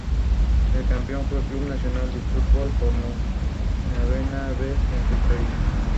Conviene destacar que la función paterna no es ejercida solo por un padre.